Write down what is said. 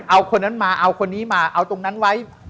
เอาคนนั้นมาเอาคนนี้มาเอาตรงนั้นไว้